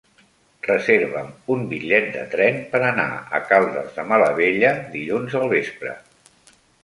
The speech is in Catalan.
Reserva'm un bitllet de tren per anar a Caldes de Malavella dilluns al vespre.